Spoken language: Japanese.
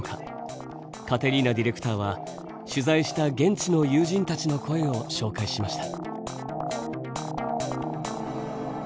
カテリーナディレクターは取材した現地の友人たちの声を紹介しました。